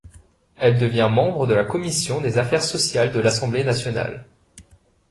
Elle devient membre de la commission des Affaires sociales de l’Assemblée nationale.